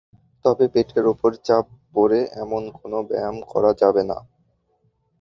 তবে পেটের ওপর চাপ পড়ে এমন কোনো ব্যায়াম করা যাবে না।